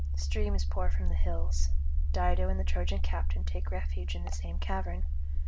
Streams pour from the hills. Dido and the Trojan captain take refuge in the same cavern.